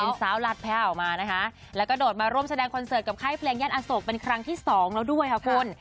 เป็นสาวหลักแพร่ออกมานะคะแล้วก็โดดมาร่วมแสดงคอนเสิร์ตกับค่ายเพลงย่านอโศกเป็นครั้งที่สองแล้วด้วยค่ะคุณ